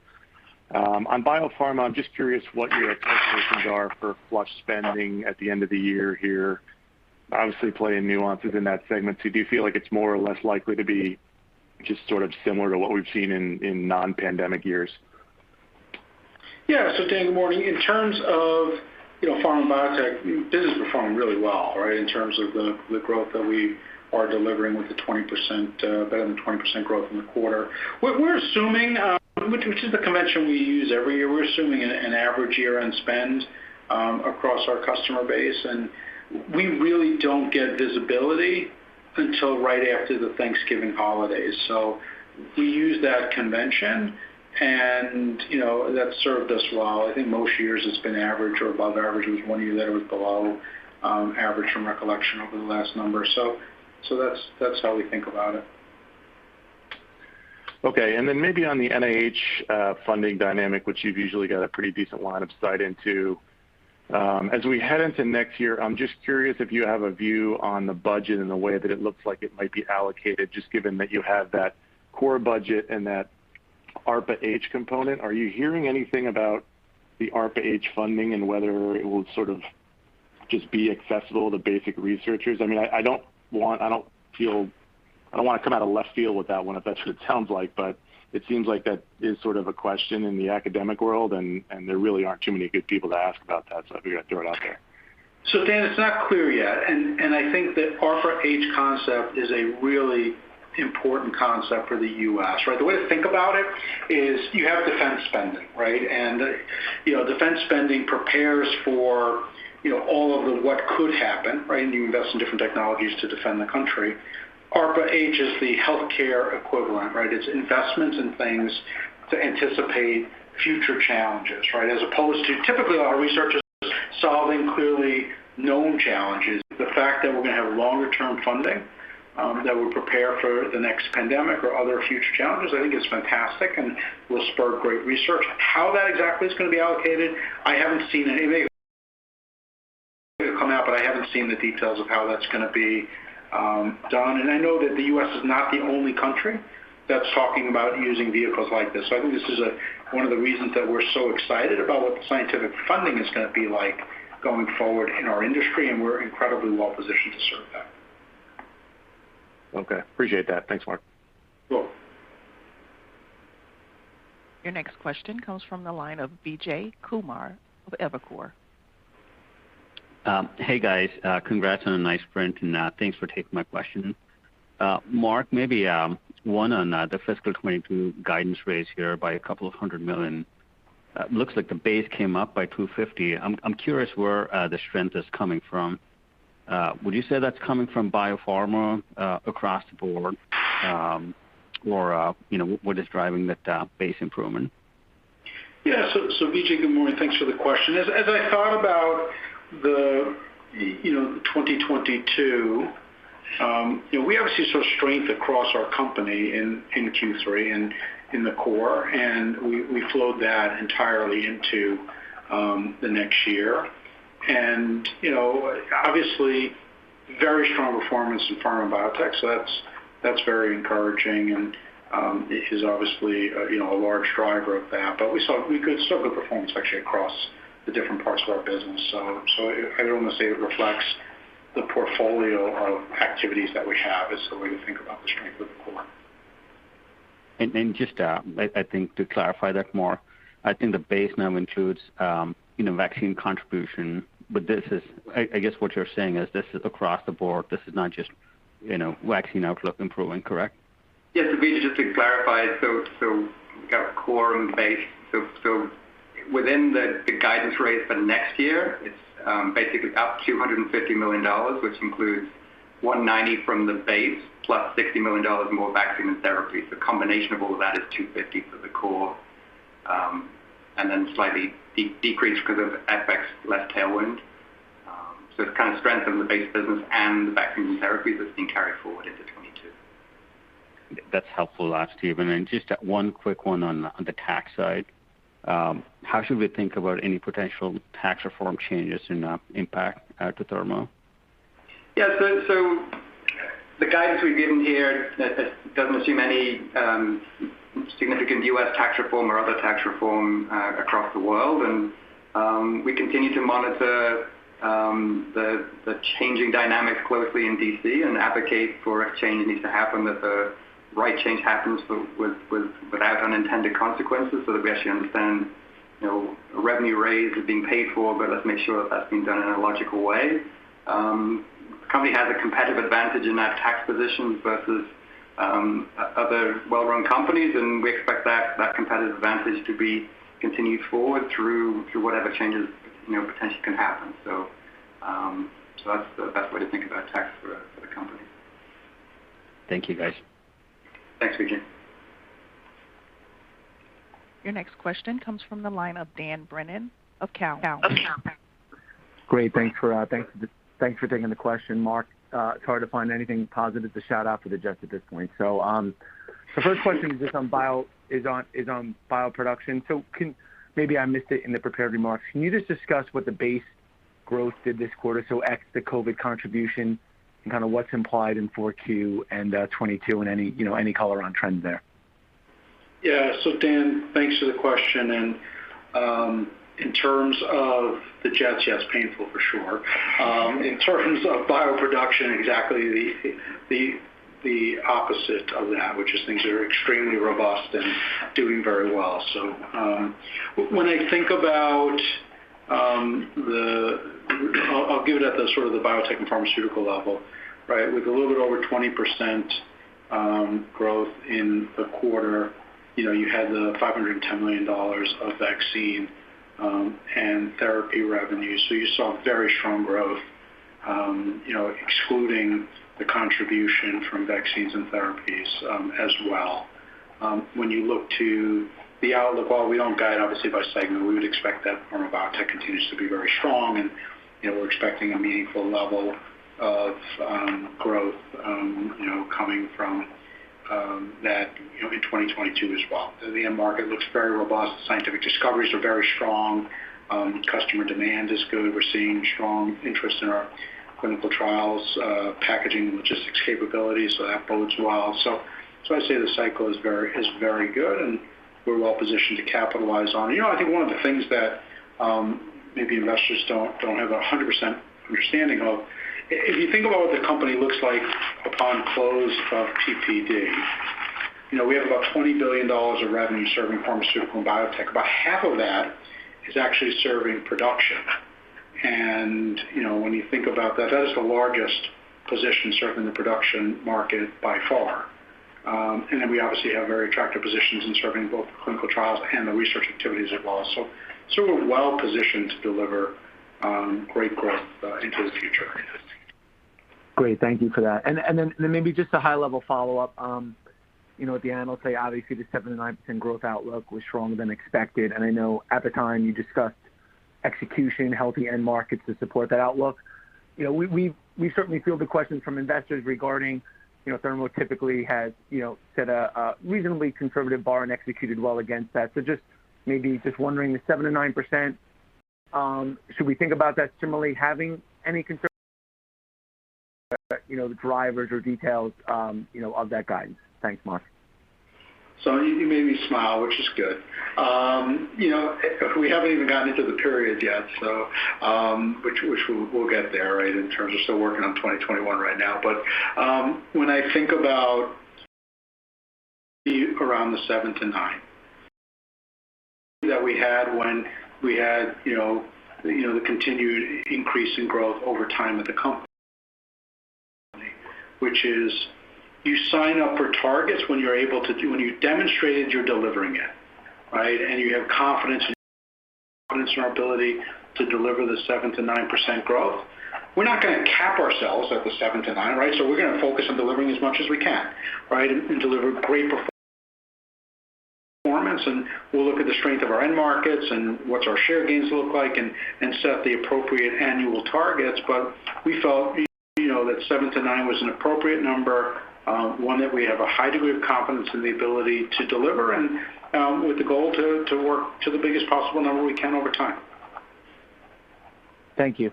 On biopharma, I'm just curious what your expectations are for flush spending at the end of the year here, obviously playing nuances in that segment. Do you feel like it's more or less likely to be just sort of similar to what we've seen in non-pandemic years? Yeah. Dan, good morning. In terms of, you know, pharma and biotech, business performing really well, right? In terms of the growth that we are delivering with the 20%, better than 20% growth in the quarter. We're assuming, which is the convention we use every year. We're assuming an average year-end spend across our customer base, and we really don't get visibility until right after the Thanksgiving holidays. We use that convention and, you know, that served us well. I think most years it's been average or above average. There was one year that it was below average from recollection over the last number. That's how we think about it. Okay. Then maybe on the NIH funding dynamic, which you've usually got a pretty decent line of sight into. As we head into next year, I'm just curious if you have a view on the budget and the way that it looks like it might be allocated, just given that you have that core budget and that ARPA-H component. Are you hearing anything about the ARPA-H funding and whether it will sort of just be accessible to basic researchers? I mean, I don't want to come out of left field with that one, if that's what it sounds like. It seems like that is sort of a question in the academic world, and there really aren't too many good people to ask about that, so I figured I'd throw it out there. Dan, it's not clear yet. I think that ARPA-H concept is a really important concept for the U.S., right? The way to think about it is you have defense spending, right? You know, defense spending prepares for, you know, all of the what could happen, right? You invest in different technologies to defend the country. ARPA-H is the healthcare equivalent, right? It's investments in things to anticipate future challenges, right? As opposed to typically our researchers solving clearly known challenges. The fact that we're going to have longer term funding that will prepare for the next pandemic or other future challenges, I think is fantastic and will spur great research. How that exactly is going to be allocated, I haven't seen anybody come out, but I haven't seen the details of how that's going to be done. I know that the U.S. is not the only country that's talking about using vehicles like this. I think this is one of the reasons that we're so excited about what the scientific funding is going to be like going forward in our industry, and we're incredibly well-positioned to serve that. Okay. Appreciate that. Thanks, Marc. Sure. Your next question comes from the line of Vijay Kumar of Evercore. Hey, guys. Congrats on a nice sprint, and thanks for taking my question. Marc, maybe one on the fiscal 2022 guidance raise here by a couple of hundred million. It looks like the base came up by $250 million. I'm curious where the strength is coming from. Would you say that's coming from biopharma across the board? Or, you know, what is driving that base improvement? Yeah. Vijay, good morning. Thanks for the question. I thought about 2022, you know, we obviously saw strength across our company in Q3 and in the core, and we flowed that entirely into the next year. You know, obviously, very strong performance in pharma and biotech, so that's very encouraging and is obviously, you know, a large driver of that. Still good performance actually across the different parts of our business. I'd almost say it reflects the portfolio of activities that we have is the way to think about the strength of the core. Just, I think to clarify that more, I think the base now includes, you know, vaccine contribution, but this is, I guess, what you're saying is this is across the board. This is not just, you know, vaccine outlook improving, correct? Yes. Vijay, just to clarify, we've got core and base. Within the guidance raise for next year, it's basically up $250 million, which includes $190 million from the base plus $60 million more vaccine and therapies. The combination of all of that is $250 million for the core, and then slightly decreased because of FX less tailwind. It's kind of strength of the base business and the vaccine and therapies that's being carried forward into 2022. That's helpful. Stephen, and just one quick one on the tax side. How should we think about any potential tax reform changes and impact to Thermo? The guidance we've given here that doesn't assume any significant U.S. tax reform or other tax reform across the world. We continue to monitor the changing dynamics closely in D.C. and advocate for if change needs to happen, that the right change happens but without unintended consequences so that we actually understand, you know, revenue raise is being paid for, but let's make sure that that's being done in a logical way. The company has a competitive advantage in that tax position versus other well-run companies, and we expect that competitive advantage to be continued forward through whatever changes, you know, potentially can happen. That's the best way to think about tax for the company. Thank you, guys. Thanks, Vijay. Your next question comes from the line of Dan Brennan of Cowen. Great. Thanks for taking the question, Marc. It's hard to find anything positive to shout out for the Jets at this point. The first question is just on bioproduction. Maybe I missed it in the prepared remarks. Can you just discuss what the base growth did this quarter, so ex the COVID contribution and kind of what's implied in 4Q and 2022 and any, you know, any color on trends there? Yeah. Dan, thanks for the question. In terms of the Jets, yes, painful for sure. In terms of bioproduction, exactly the opposite of that, which is things are extremely robust and doing very well. When I think about the biotech and pharmaceutical level, right? With a little bit over 20% growth in the quarter, you know, you had the $510 million of vaccine and therapy revenue. You saw very strong growth, you know, excluding the contribution from vaccines and therapies, as well. When you look to the outlook, while we don't guide obviously by segment, we would expect that pharma and biotech continues to be very strong and, you know, we're expecting a meaningful level of growth, you know, coming from that, you know, in 2022 as well. The end market looks very robust. Scientific discoveries are very strong. Customer demand is good. We're seeing strong interest in our clinical trials, packaging and logistics capabilities, so that bodes well. So I'd say the cycle is very good, and we're well positioned to capitalize on. You know, I think one of the things that maybe investors don't have 100% understanding of, if you think about what the company looks like upon close of PPD, you know, we have about $20 billion of revenue serving pharmaceutical and biotech. About half of that is actually serving production. You know, when you think about that is the largest position serving the production market by far. We obviously have very attractive positions in serving both the clinical trials and the research activities as well. So we're well positioned to deliver great growth into the future. Great. Thank you for that. Maybe just a high-level follow-up. You know, at the Investor Day, obviously the 7%-9% growth outlook was stronger than expected. I know at the time you discussed execution, healthy end markets to support that outlook. You know, we certainly field the questions from investors regarding, you know, Thermo typically has, you know, set a reasonably conservative bar and executed well against that. Just maybe wondering the 7%-9%, should we think about that similarly having any concern, you know, the drivers or details, you know, of that guidance? Thanks, Marc. You made me smile, which is good. You know, we haven't even gotten into the period yet, so we'll get there, right, in terms of still working on 2021 right now. When I think about around the 7-9, we had, you know, the continued increase in growth over time with the company. You sign up for targets when you've demonstrated you're delivering it, right? You have confidence in our ability to deliver the 7%-9% growth. We're not gonna cap ourselves at the 7-9, right? We're gonna focus on delivering as much as we can, right? Deliver great performance, and we'll look at the strength of our end markets and what our share gains look like and set the appropriate annual targets. We felt, you know, that 7-9 was an appropriate number, one that we have a high degree of confidence in the ability to deliver and, with the goal to work to the biggest possible number we can over time. Thank you.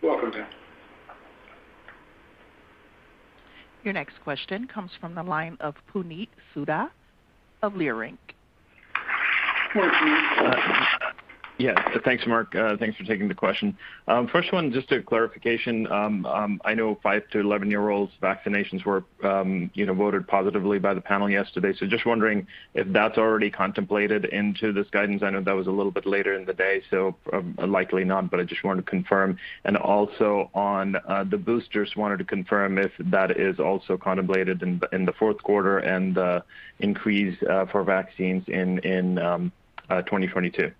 You're welcome, Dan. Your next question comes from the line of Puneet Souda of Leerink. Hi, Puneet. Yeah. Thanks, Marc. Thanks for taking the question. First one, just a clarification. I know 5- to 11-year-olds vaccinations were, you know, voted positively by the panel yesterday. Just wondering if that's already contemplated into this guidance. I know that was a little bit later in the day, so probably not, but I just wanted to confirm. Also on the boosters, wanted to confirm if that is also contemplated in the fourth quarter and the increase for vaccines in 2022.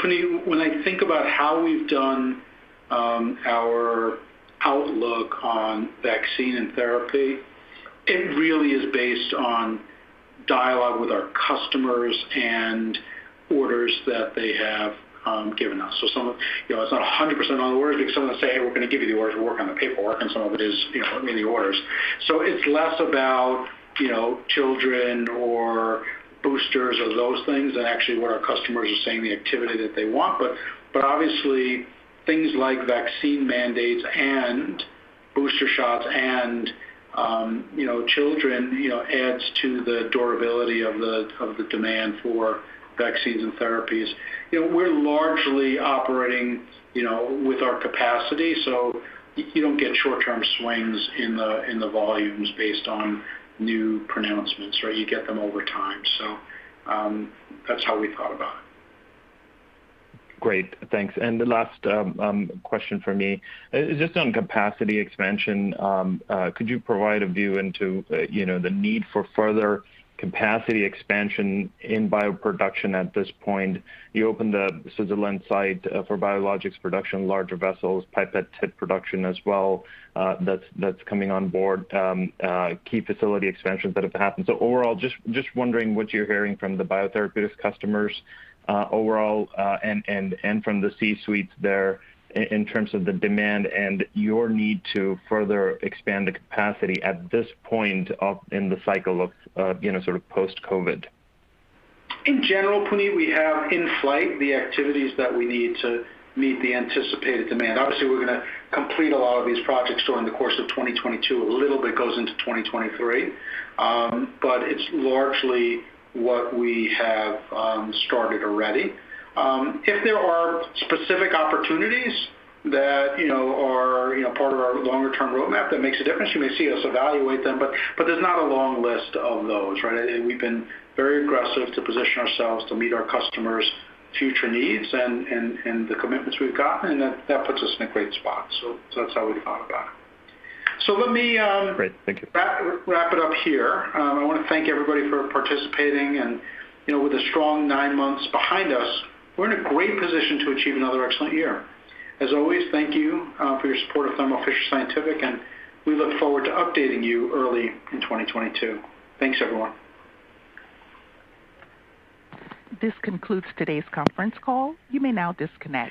Puneet, when I think about how we've done our outlook on vaccine and therapy, it really is based on dialogue with our customers and orders that they have given us. Some of you know, it's not 100% on the orders because some of them say, "We're gonna give you the orders. We'll work on the paperwork," and some of it is, you know, giving the orders. It's less about, you know, children or boosters or those things and actually what our customers are saying the activity that they want. But obviously things like vaccine mandates and booster shots and, you know, children, you know, adds to the durability of the demand for vaccines and therapies. You know, we're largely operating, you know, with our capacity, so you don't get short-term swings in the volumes based on new pronouncements, right? You get them over time. That's how we thought about it. Great. Thanks. The last question from me. Just on capacity expansion, could you provide a view into, you know, the need for further capacity expansion in bioproduction at this point? You opened the Switzerland site for biologics production, larger vessels, pipette tip production as well, that's coming on board, key facility expansions that have happened. Overall, just wondering what you're hearing from the biotherapeutic customers, overall, and from the C-suites there in terms of the demand and your need to further expand the capacity at this point in the cycle of, you know, sort of post-COVID. In general, Puneet, we have in flight the activities that we need to meet the anticipated demand. Obviously, we're gonna complete a lot of these projects during the course of 2022. A little bit goes into 2023. But it's largely what we have started already. If there are specific opportunities that, you know, are, you know, part of our longer term roadmap, that makes a difference. You may see us evaluate them, but there's not a long list of those, right? We've been very aggressive to position ourselves to meet our customers' future needs and the commitments we've gotten, and that puts us in a great spot. That's how we thought about it. Let me, Great. Thank you. Wrap it up here. I wanna thank everybody for participating and, you know, with a strong nine months behind us, we're in a great position to achieve another excellent year. As always, thank you for your support of Thermo Fisher Scientific, and we look forward to updating you early in 2022. Thanks, everyone. This concludes today's conference call. You may now disconnect.